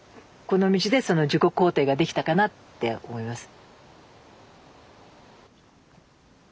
この道で自己肯定ができたかなって思います。